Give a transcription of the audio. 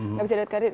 nggak bisa dapat karir